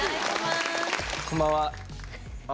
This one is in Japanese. こんばんは。